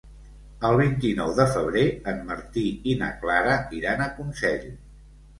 El vint-i-nou de febrer en Martí i na Clara iran a Consell.